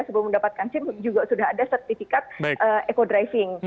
sebelum mendapatkan sim juga sudah ada sertifikat eco driving